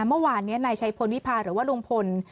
เมื่อวานนี้นายชัยพลวิพาหรือว่าลุงพล